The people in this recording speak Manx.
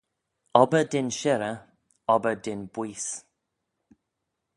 Obbyr dyn shirrey, obbyr dyn booise